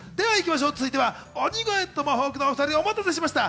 続いては、鬼越トマホークのお２人お待たせしました。